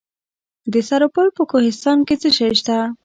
د سرپل په کوهستان کې څه شی شته؟